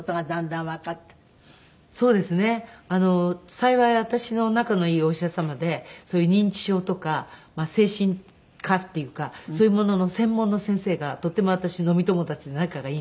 幸い私の仲のいいお医者様でそういう認知症とか精神科っていうかそういうものの専門の先生がとても私飲み友達で仲がいいんですね。